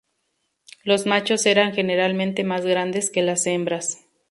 Los machos eran generalmente más grandes que las hembras.